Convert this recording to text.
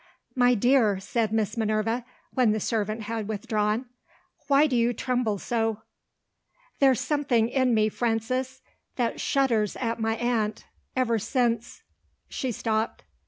"My dear," said Miss Minerva, when the servant had withdrawn, "why do you tremble so?" "There's something in me, Frances, that shudders at my aunt, ever since " She stopped.